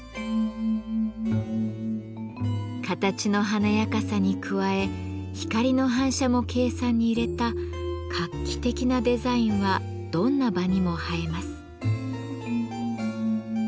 形の華やかさに加え光の反射も計算に入れた画期的なデザインはどんな場にも映えます。